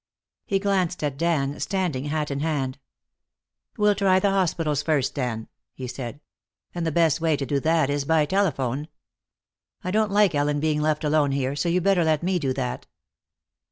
He glanced at Dan, standing hat in hand. "We'll try the hospitals first, Dan," he said. "And the best way to do that is by telephone. I don't like Ellen being left alone here, so you'd better let me do that."